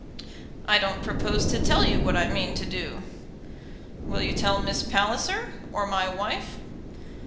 "I don't propose to tell you what I mean to do." "Will you tell Miss Palliser, or my wife?"